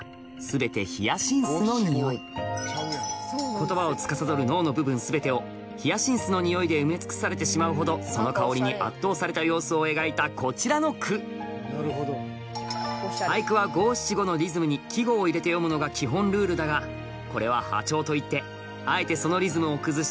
言葉を司る脳の部分全てをヒヤシンスの匂いで埋め尽くされてしまうほどその香りに圧倒された様子を描いたこちらの句俳句は五七五のリズムに季語を入れて詠むのが基本ルールだがこれは破調といってあえてそのリズムを崩して